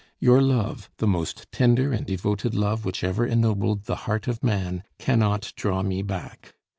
Your love the most tender and devoted love which ever ennobled the heart of man cannot draw me back.